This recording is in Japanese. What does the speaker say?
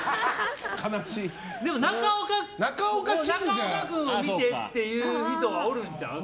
でも中岡君を見てっていう人はおるんちゃうん？